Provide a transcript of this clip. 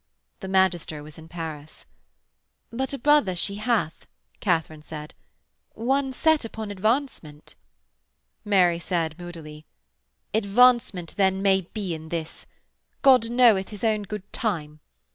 The magister was in Paris. 'But a brother she hath,' Katharine said; 'one set upon advancement.' Mary said moodily: 'Advancement, then, may be in this. God knoweth his own good time.